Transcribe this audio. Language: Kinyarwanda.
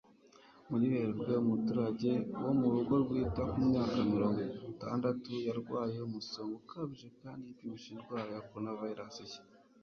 Muri Werurwe, umuturage wo mu rugo rwita ku myaka mirongo itandatu yarwaye umusonga ukabije kandi yipimishije indwara ya coronavirus nshya